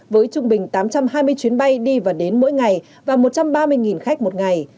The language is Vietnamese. với trung bình tám trăm hai mươi chuyến bay đi và đến mỗi ngày và một trăm ba mươi khách một ngày